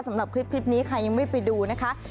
สำหรับคลิปนี้ใครยังไม่ไปดูนะคะ